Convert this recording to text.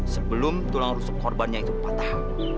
sebelum tulang rusuk korbannya itu patah